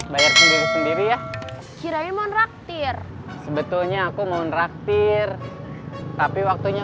bayar sendiri sendiri ya kirain mau nraktir sebetulnya aku mau nraktir tapi waktunya